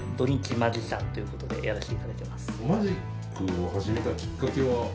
マジックを始めたきっかけは？